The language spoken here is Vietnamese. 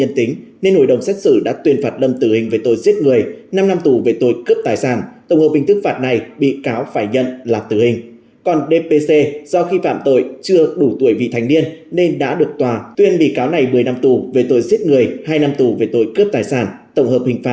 hãy đăng kí cho kênh lalaschool để không bỏ lỡ những video hấp dẫn